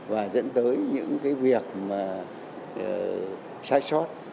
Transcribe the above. và dẫn tới những cái việc mà sai sót